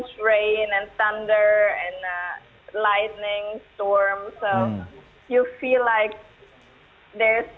seperti jika anda melihat cuaca sangat panjang dan kita memiliki setiap hari